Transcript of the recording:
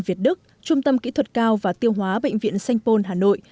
việt đức trung tâm kỹ thuật cao và tiêu hóa bệnh viện sanh pôn hà nội